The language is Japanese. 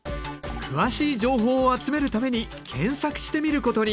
詳しい情報を集めるために検索してみることに。